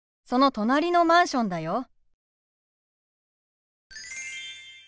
その隣のマンションだよ。